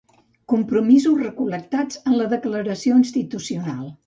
Compromisos recol·lectats en la declaració institucional.